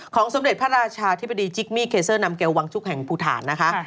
สมเด็จพระราชาธิบดีจิกมี่เคเซอร์นำเกลวังชุกแห่งภูฐานนะคะ